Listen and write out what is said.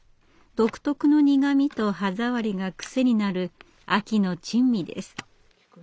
独特の苦味と歯触りがクセになる秋の珍味です。